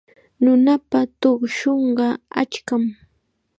Nunapa tuqshunqa achkam.